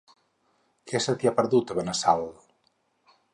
Què se t'hi ha perdut, a Benassal?